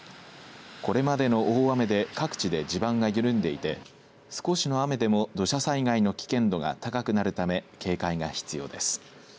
これまでの大雨で各地で地盤が緩んでいて少しの雨でも土砂災害の危険度が高くなるため警戒が必要です。